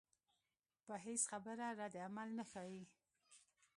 پۀ هېڅ خبره ردعمل نۀ ښائي